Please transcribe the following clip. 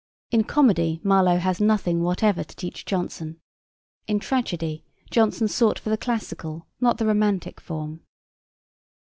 In comedy Marlowe has nothing whatever to teach Jonson; in tragedy Jonson sought for the classical not the romantic form.